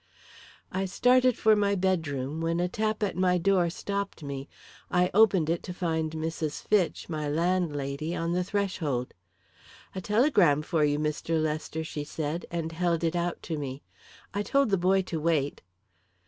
I started for my bedroom, when a tap at my door stopped me. I opened it to find Mrs. Fitch, my landlady, on the threshold. "A telegram for you, Mr. Lester," she said, and held it out to me. "I told the boy to wait."